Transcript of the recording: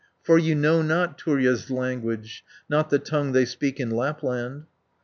For you know not Turja's language, Not the tongue they speak in Lapland."